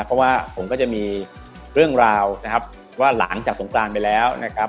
เพราะว่าผมก็จะมีเรื่องราวนะครับว่าหลังจากสงกรานไปแล้วนะครับ